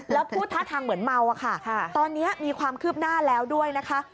แล้วพูดท่าทางเหมือนเมาอะค่ะตอนนี้มีความคืบหน้าแล้วด้วยนะคะ